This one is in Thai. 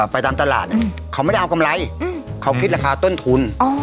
ไปตามตลาดเขาไม่ได้เอากำไรเขาคิดราคาต้นทุน